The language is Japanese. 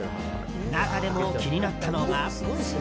中でも気になったのが。